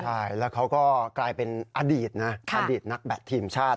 ใช่แล้วเขาก็กลายเป็นอดีตนะอดีตนักแบตทีมชาติ